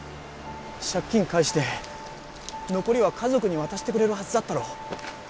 借金返して残りは家族に渡してくれるはずだったろ。